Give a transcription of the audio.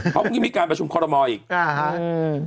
พรุ่งนี้มีการประชุมคอตโรมอีก